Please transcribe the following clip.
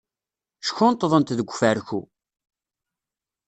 Ckunṭḍent deg ufarku.